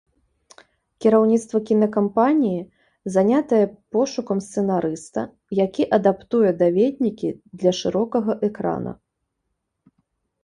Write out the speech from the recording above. Кіраўніцтва кінакампаніі занятае пошукам сцэнарыста, які адаптуе даведнікі для шырокага экрана.